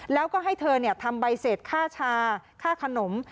แล้วก็ให้เธอทำใบเสร็จค่าชาค่าขนม